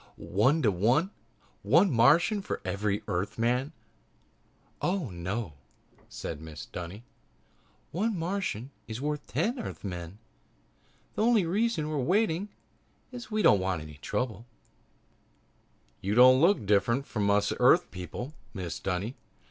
"One to one? One Martian for every Earthman?" "Oh, no," said Mrs. Dunny, "one Martian is worth ten Earthmen. The only reason we're waiting is we don't want any trouble." "You don't look any different from us Earth people, Mrs. Dunny.